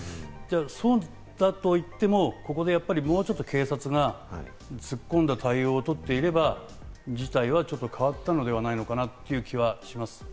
そうだといっても、ここでもうちょっと警察が突っ込んだ対応をとっていれば事態はちょっと変わったのではないかなという気はします。